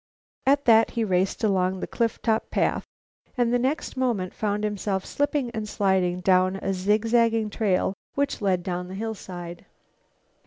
At that he raced along the cliff top path and the next moment found himself slipping and sliding down a zig zagging trail which led down the hillside.